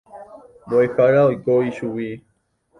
Mbo'ehára oiko ichugui.